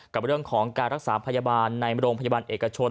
กับเรื่องของการรักษาพยาบาลในโรงพยาบาลเอกชน